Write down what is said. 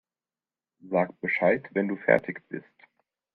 Sag Bescheid, wenn du fertig bist.